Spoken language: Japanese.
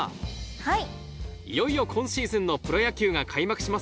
はい。